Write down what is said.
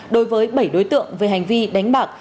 đối với bảy đối tượng về hành vi đánh bạc